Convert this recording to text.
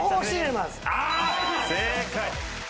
正解。